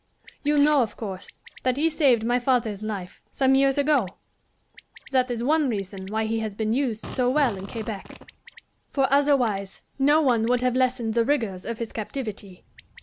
You know, of course, that he saved my father's life, some years ago? That is one reason why he has been used so well in Quebec, for otherwise no one would have lessened the rigours of his captivity.